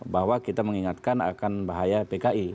bahwa kita mengingatkan akan bahaya pki